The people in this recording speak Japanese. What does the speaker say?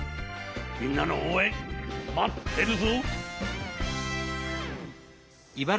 みんなのおうえんまってるぞ！